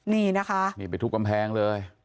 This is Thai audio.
นี่นะคะนี่ไปทุบกำแพงเลย